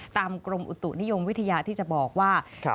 กรมอุตุนิยมวิทยาที่จะบอกว่า